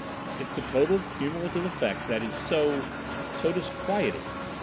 It's the total cumulative effect that is so—so disquieting."